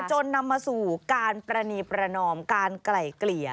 จนนำมาสู่การปรณีประนอมการไกล่เกลี่ย